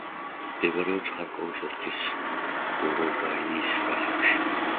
მდებარეობს ხარკოვის ოლქის ბოროვაიის რაიონში.